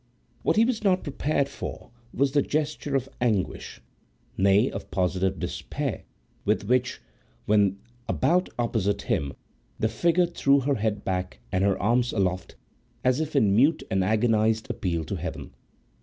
What he was not prepared for was the gesture of anguish, nay, of positive despair, with which, when about opposite him, the figure threw her head back and her arms aloft, as if in mute and agonised appeal to Heaven.